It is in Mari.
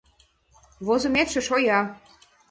Возыметше шоя.